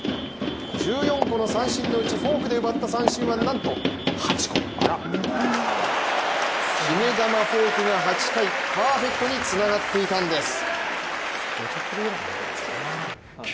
１４個の三振のうちフォークで奪った三振はなんと８個決め球フォークが８回パーフェクトにつながっていたんです。